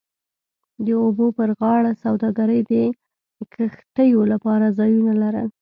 د اوبو پر غاړه سوداګرۍ د کښتیو لپاره ځایونه لري